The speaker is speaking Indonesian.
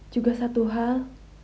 juga satu hal